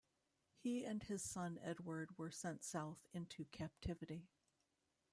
He and his son Edward were sent south into captivity.